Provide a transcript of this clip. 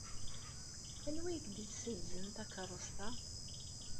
Anwa ay ak-d-yessenzen takeṛṛust-a?